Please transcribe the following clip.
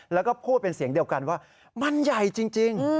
แล้วก็พูดเป็นเสียงเดียวกันว่ามันใหญ่จริง